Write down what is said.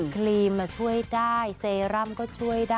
ครีมช่วยได้เซรั่มก็ช่วยได้